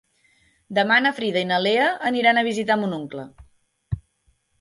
Demà na Frida i na Lea aniran a visitar mon oncle.